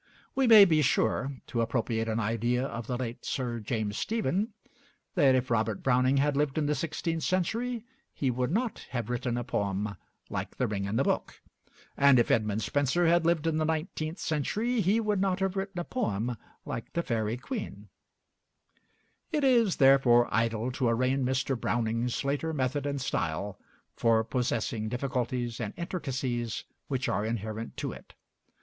We may be sure to appropriate an idea of the late Sir James Stephen that if Robert Browning had lived in the sixteenth century, he would not have written a poem like 'The Ring and the Book'; and if Edmund Spenser had lived in the nineteenth century he would not have written a poem like the 'Faerie Queene.' It is therefore idle to arraign Mr. Browning's later method and style for possessing difficulties and intricacies which are inherent to it.